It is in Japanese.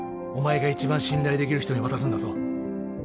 お前が一番信頼できる人に渡すんだぞ